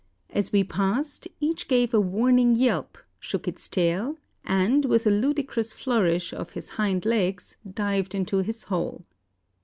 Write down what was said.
As we passed each gave a warning yelp, shook its tail, and, with a ludicrous flourish of his hind legs, dived into its hole.